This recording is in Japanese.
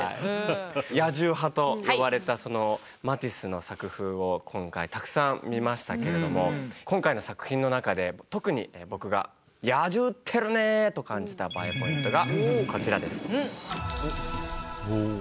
「野獣派」と呼ばれたそのマティスの作風を今回たくさん見ましたけれども今回の作品の中で特に僕が「野獣ってるねー！」と感じたＢＡＥポイントがこちらです。